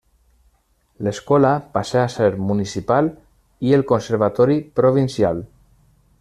L'Escola passà a ser municipal i el conservatori provincial.